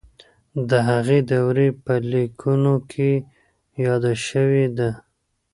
د هغې دورې په لیکنو کې یاده شوې ده.